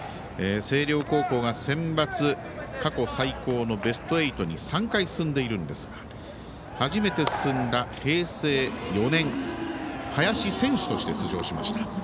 星稜高校がセンバツ過去最高のベスト８に３回進んでいるんですが初めて進んだ平成４年林選手として出場しました。